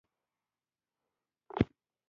نن مې مړۍ نه ده خوړلې، وږی شوی يم